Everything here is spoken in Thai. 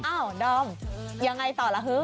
อ้าวดอมยังไงต่อล่ะฮึก